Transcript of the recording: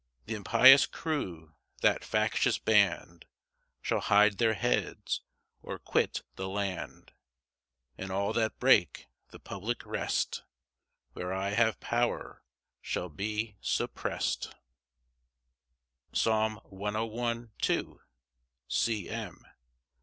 7 The impious crew (that factious band) Shall hide their heads, or quit the land; And all that break the public rest, Where I have power shall be supprest. Psalm 101:2. C. M.